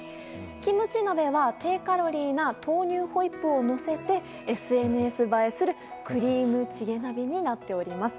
キムチ鍋は低カロリーな豆乳ホイップをのせてＳＮＳ映えするクリームチゲ鍋になっております。